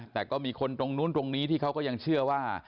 แต่ก็มีคนตรงนู้นตรงนี้ที่เขาก็ยังเชื่อว่า